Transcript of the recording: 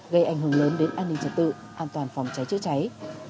gây ảnh hưởng lớn đến an ninh trật tự an toàn phòng cháy chữa cháy